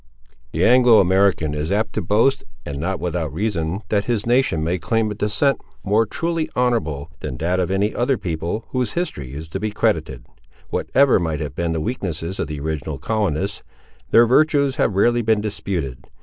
The Anglo American is apt to boast, and not without reason, that his nation may claim a descent more truly honourable than that of any other people whose history is to be credited. Whatever might have been the weaknesses of the original colonists, their virtues have rarely been disputed.